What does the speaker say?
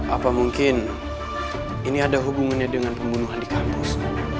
apa mungkin ini ada hubungannya dengan pembunuhan di kampus